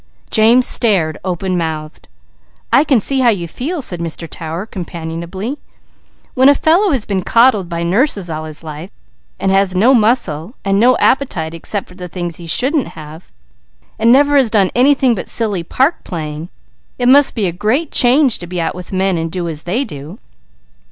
James stared open mouthed. "I can see how you feel," said Mr. Tower companionably. "When a fellow has been coddled by nurses all his life, has no muscle, no appetite except for the things he shouldn't have, and never has done anything but silly park playing, it must be a great change to be out with men, and doing as they do."